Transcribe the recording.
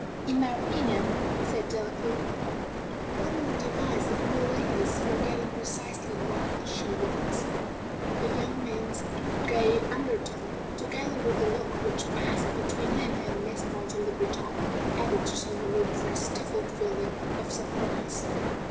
"In my opinion," said Delafield, "one more device of milady's for getting precisely what she wants." The young man's gay undertone, together with the look which passed between him and Mademoiselle Le Breton, added to Sir Wilfrid's stifled feeling of surprise.